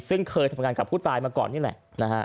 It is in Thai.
ซึ่งเคยทำงานกับผู้ตายมาก่อนนี่แหละนะฮะ